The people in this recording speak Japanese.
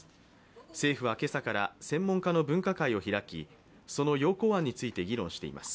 政府は今朝から専門家の分科会を開きその要綱案について議論しています。